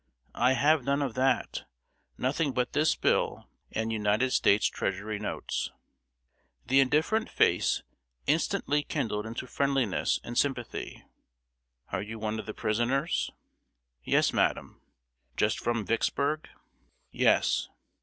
"I have none of that nothing but this bill and United States Treasury Notes." The indifferent face instantly kindled into friendliness and sympathy. "Are you one of the prisoners?" "Yes, madam." "Just from Vicksburg?" "Yes."